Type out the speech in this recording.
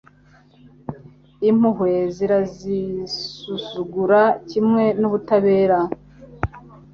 Impuhwe zirazisuzugura kimwe n'ubutabera